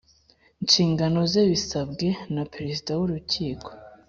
Nshingano ze bisabwe na perezida w urukiko